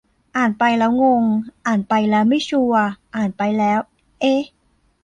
อ่านไปแล้วงง อ่านไปแล้วไม่ชัวร์ อ่านไปแล้ว เอ๊ะ